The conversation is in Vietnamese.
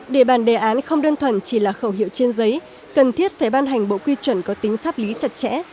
đề bàn đề án không đơn thuần chỉ là khẩu hiệu trên giấy cần thiết phải ban hành bộ quy chuẩn có tính pháp lý chặt chẽ